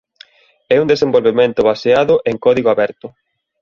É un desenvolvemento baseado en código aberto.